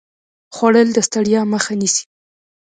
خوړل د ستړیا مخه نیسي